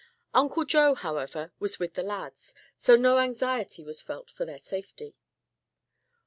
Uncle Joe, however, was with the lads, so no anxiety was felt for their safety.